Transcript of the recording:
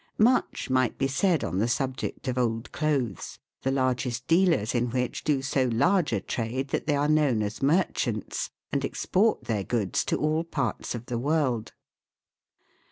Much might be said on the subject of old clothes, the largest dealers in which do so' large a trade that they are known as " merchants," and export their goods to all parts of the world.